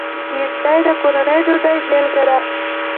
بېنډۍ د کورني ډوډۍ بېلګه ده